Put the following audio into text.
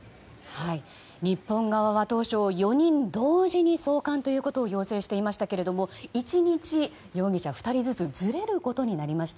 日本側は当初４人同時に送還ということを要請していましたけど１日、容疑者２人ずつがずれることになりました。